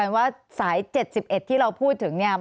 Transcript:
มีประวัติศาสตร์ที่สุดในประวัติศาสตร์